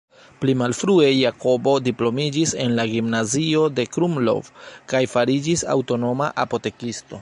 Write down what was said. Pli malfrue Jakobo diplomiĝis en la Gimnazio de Krumlov kaj fariĝis aŭtonoma apotekisto.